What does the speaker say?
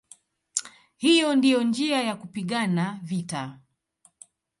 Hiyo ndiyo njia ya kupigana vita".